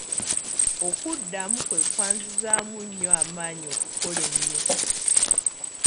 Okuddamu kwe kwanzizizzaamu nnyo amaanyi okukola ennyo.